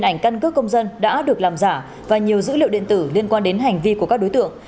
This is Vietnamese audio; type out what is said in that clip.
hai ảnh căn cước công dân đã được làm giả và nhiều dữ liệu điện tử liên quan đến hành vi của các đối tượng